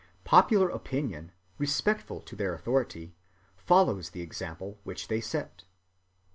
Popular opinion, respectful to their authority, follows the example which they set.